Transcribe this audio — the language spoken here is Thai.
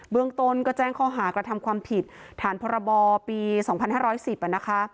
เมืองต้นก็แจ้งข้อหากระทำความผิดฐานพรบปี๒๕๑๐นะคะ